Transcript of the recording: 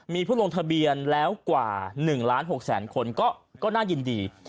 มีผู้ลงทะเบียนแล้วกว่า๑ล้าน๖แสนคนก็น่ายินดี